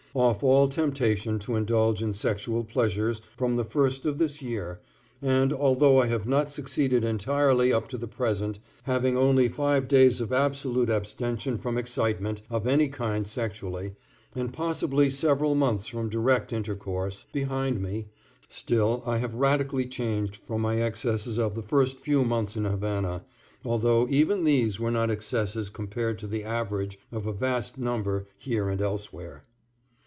off all temptation to indulge in sexual pleasures from the first of this year, and, although I have not succeeded entirely up to the present, having only five days of absolute abstention from excitement of any kind sexually and possibly several months from direct intercourse, behind me, still I have radically changed from my excesses of the first few months in Havana, although even these were not excesses compared to the average of a vast number here and elsewhere.